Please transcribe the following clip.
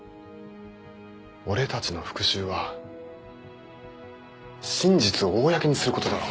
俺たちの復讐は真実を公にすることだろ。